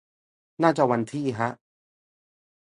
น่าจะวันที่ ฮะ